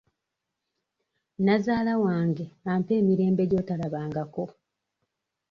Nazaala wange ampa emirembe gy'otalabangako.